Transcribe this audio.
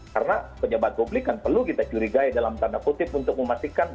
karena penyebat publik kan perlu kita curigai dalam tanda kutip untuk memastikan